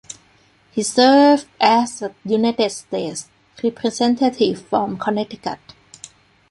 He served as a United States Representative from Connecticut.